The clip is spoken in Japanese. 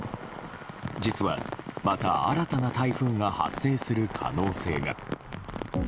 実は、また新たな台風が発生する可能性が。